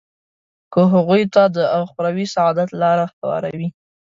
که هغوی ته د اخروي سعادت لاره هواروي.